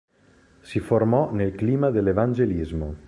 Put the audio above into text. Si formò nel clima dell'evangelismo.